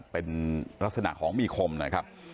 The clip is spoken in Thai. เป็นลักษณะของมีคมนะครับ